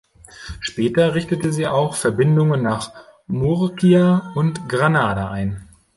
Später richtete sie auch Verbindungen nach Murcia und Granada ein.